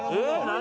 何？